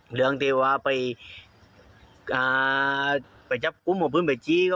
เหลืองเดี๋ยวว่าไปจับคุมของพุทธไปจีก